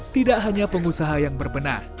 tidak hanya pengusaha yang berbenah